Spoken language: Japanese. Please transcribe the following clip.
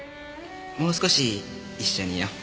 もう少し一緒にいよう。